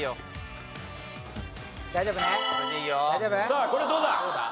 さあこれどうだ？